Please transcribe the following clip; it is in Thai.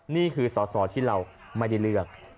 นี่คือสอสอที่เราไม่ได้เลือก